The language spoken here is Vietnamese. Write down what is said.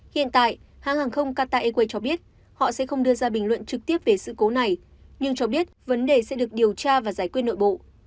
hiện tại hãng hàng không qatar airways cho biết họ sẽ không đưa ra bình luận trực tiếp về sự cố này nhưng cho biết vấn đề sẽ được điều tra và giải quyết nội bộ